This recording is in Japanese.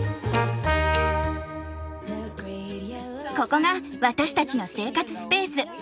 ここが私たちの生活スペース。